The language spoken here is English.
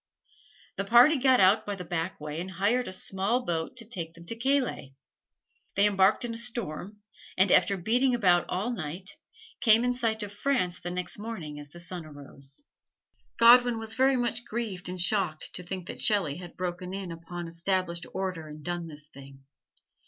The party got out by the back way and hired a small boat to take them to Calais. They embarked in a storm, and after beating about all night, came in sight of France the next morning as the sun arose. Godwin was very much grieved and shocked to think that Shelley had broken in upon established order and done this thing.